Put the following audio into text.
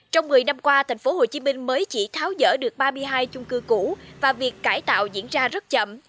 trong một mươi năm qua tp hcm mới chỉ tháo dỡ được ba mươi hai chung cư cũ và việc cải tạo diễn ra rất chậm